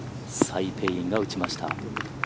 サイ・ペイインが打ちました。